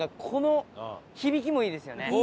この響きもいいですよね。